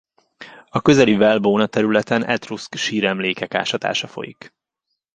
A közeli Valle Bona területen etruszk síremlékek ásatása folyik.